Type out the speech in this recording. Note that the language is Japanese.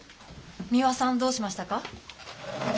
三輪さんどうしましたか？